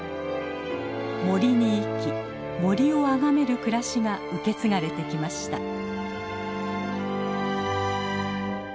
森に生き森をあがめる暮らしが受け継がれてきました。